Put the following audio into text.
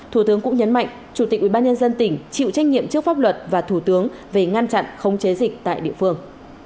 thủ tướng cũng nhấn mạnh chủ tịch ubnd tỉnh chịu trách nhiệm trước pháp luật và thủ tướng về ngăn chặn không chế dịch tại địa phương